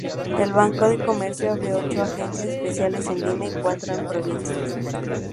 El banco de comercio abrió ocho agencias especiales en Lima y cuatro en provincias.